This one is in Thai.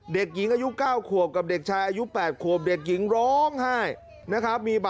เด็กหญิงอายุ๙ขวบกับเด็กชายอายุ๘ขวบเด็กหญิงร้องไห้นะครับ